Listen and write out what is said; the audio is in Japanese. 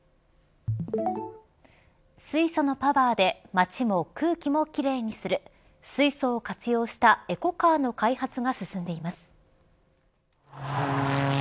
水素のパワーで街も空気も奇麗にする水素を活用したエコカーの開発が進んでいます。